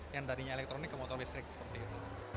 yang tadinya elektronik ke motor listrik seperti itu